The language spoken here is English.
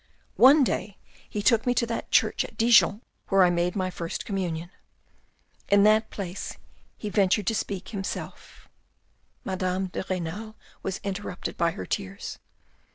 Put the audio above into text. One day he took me to that church at Dijon where I made my first communion. In that place he ventured to speak himself " Madame de Renal was interrupted by her tears.